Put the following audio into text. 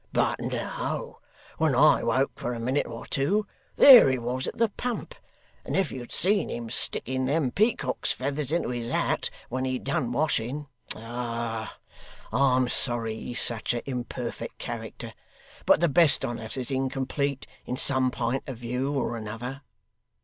But no when I woke for a minute or two, there he was at the pump, and if you'd seen him sticking them peacock's feathers into his hat when he'd done washing ah! I'm sorry he's such a imperfect character, but the best on us is incomplete in some pint of view or another.